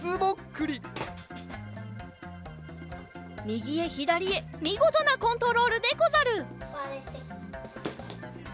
みぎへひだりへみごとなコントロールでござる！